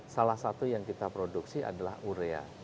salah satu yang kita produksi adalah urea